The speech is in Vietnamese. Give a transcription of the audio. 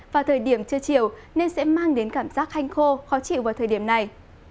và thời điểm chưa chiều nên sẽ mang đến cảm giác hanh khô khó chịu vào thời điểm này